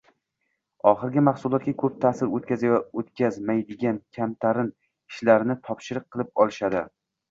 oxirgi mahsulotga ko’p ta’sir o’tkazmaydigan kamtarin ishlarni topshiriq qilib olishadi